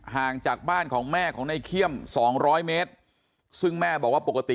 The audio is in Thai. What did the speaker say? แล้วก็ยัดลงถังสีฟ้าขนาด๒๐๐ลิตร